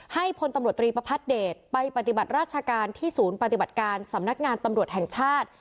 พลตำรวจตรีประพัทธเดชไปปฏิบัติราชการที่ศูนย์ปฏิบัติการสำนักงานตำรวจแห่งชาติ